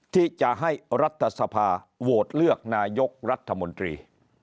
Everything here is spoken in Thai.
ที่จะให้รัฐสภาโหวตเลือกนายกรัฐมนตรี